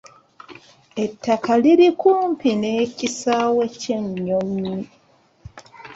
Ettaka liri kumpi n'ekisaawe ky'ennyonyi.